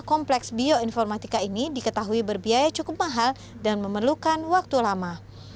kompleks bioinformatika ini diketahui berbiaya cukup mahal dan memerlukan waktu lama